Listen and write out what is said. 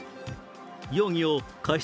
容疑を過失